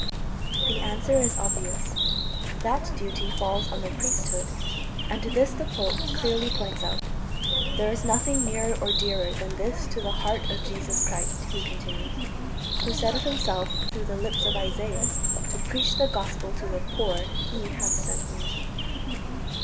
The answer is obvious that duty falls on the priesthood, and this the pope clearly points out. "There is nothing nearer or dearer than this to the heart of Jesus Christ," he continues, "who said of Himself through the lips of Isaias, 'to preach the Gospel to the poor He hath sent me'."